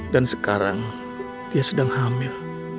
dan sekarang dia sedang hamil